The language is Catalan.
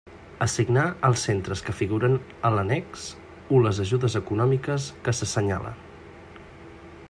Assignar als centres que figuren en l'Annex u les ajudes econòmiques que s'assenyalen.